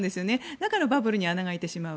だからバブルに穴が開いてしまう。